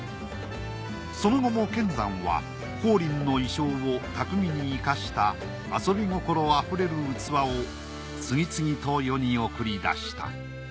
その後も乾山は光琳の意匠を巧みに生かした遊び心あふれる器を次々と世に送り出した。